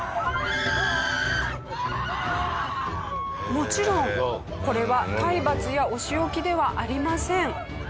もちろんこれは体罰やお仕置きではありません。